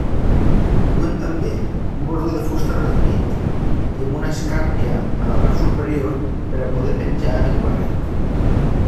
Duen també un bordó de fusta arredonit i amb una escàrpia a la part superior per a poder penjar el barret.